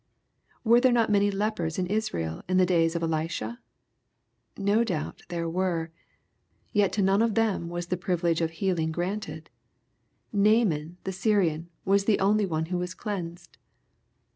— ^Were there not many lepers in Israel in the days of Elisha ? No doubt there were. Yet to none of them was the privilege ^ofjiealing granted. Naaman the Syrian was the only one who was cleansed.